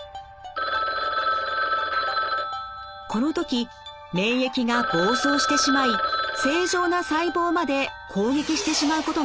この時免疫が暴走してしまい正常な細胞まで攻撃してしまうことがあります。